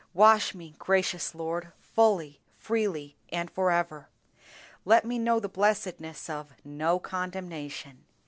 Wash me, gracious Lord, fully, freely, and forever. Let me know the blessedness of "no condemnation."